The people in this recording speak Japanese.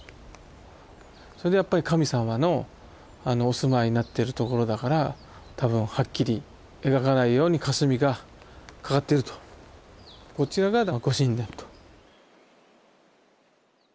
それでやっぱり神様のお住まいになってるところだから多分はっきり描かないようにかすみがかかってるとこちらがご神殿と。